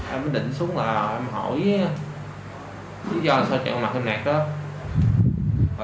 em định xuống là em hỏi chú cho sao chạy mặt thêm nạc đó